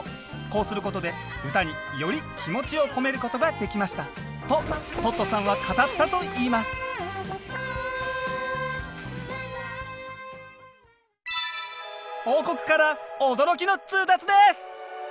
こうすることで歌により気持ちを込めることができましたとトットさんは語ったといいます王国から驚きの通達です！